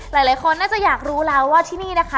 หลายคนน่าจะอยากรู้แล้วว่าที่นี่นะคะ